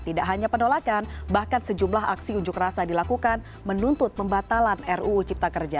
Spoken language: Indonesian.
tidak hanya penolakan bahkan sejumlah aksi unjuk rasa dilakukan menuntut pembatalan ruu cipta kerja